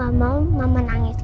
ada apa lah